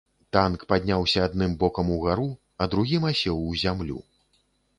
Танк падняўся адным бокам угару, а другім асеў у зямлю.